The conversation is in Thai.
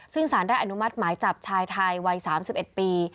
ซึ่งสารได้อนุมัติหมายจับชายไทยวัย๓๑ปี